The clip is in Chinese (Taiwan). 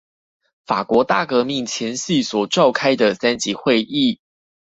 法國大革命前夕所召開的三級會議